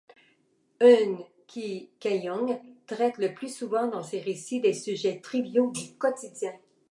Eun Hee-kyeong traite le plus souvent dans ses récits des sujets triviaux du quotidien.